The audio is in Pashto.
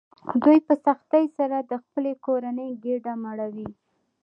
دوی په سختۍ سره د خپلې کورنۍ ګېډه مړوي